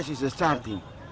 untuk kita ini adalah tim pertama